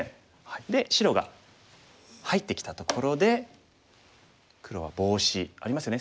で白が入ってきたところで黒はボウシ。ありますよね。